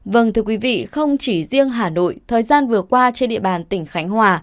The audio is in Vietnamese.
vâng thưa quý vị không chỉ riêng hà nội thời gian vừa qua trên địa bàn tỉnh khánh hòa